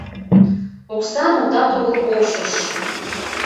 Окса, мутат огыл, полшыш.